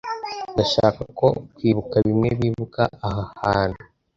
Ndashaka ko kwibuka bimwe bibuka aha hantu.